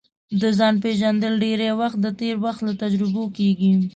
د ځان پېژندل ډېری وخت د تېر وخت له تجربو کیږي